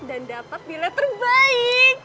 dan dapat bilet terbaik